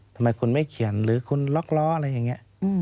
ทำไมคุณไม่เขียนหรือคุณล็อกล้ออะไรอย่างนี้